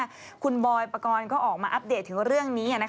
คุณบอยปกรณ์ก็ออกมาอัปเดตถึงเรื่องนี้